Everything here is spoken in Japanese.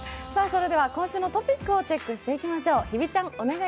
それでは今週のトピックをチェックしていきましょう。